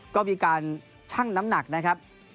ก็มีการชั่งน้ำหนักนะครับ